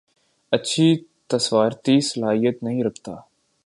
اچھی تصوارتی صلاحیت نہیں رکھتا